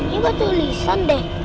ini buat tulisan deh